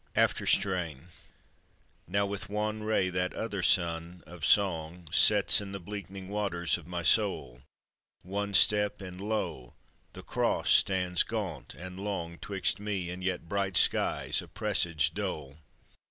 AFTER STRAIN Now with wan ray that other sun of Song Sets in the bleakening waters of my soul: One step, and lo! the Cross stands gaunt and long 'Twixt me and yet bright skies, a presaged dole.